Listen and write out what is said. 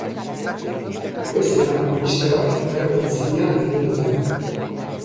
Goizean, ministroak karguen zina egin dute.